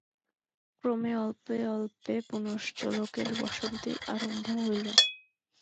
ক্রমে অল্পে অল্পে পুনশ্চ লোকের বসতি আরম্ভ হইল।